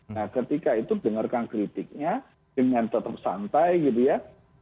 nah ketika itu dengarkan kritiknya dengan tetap santai gitu ya